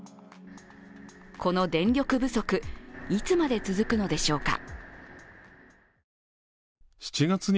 この電力不足、いつまで続くのでしょうか。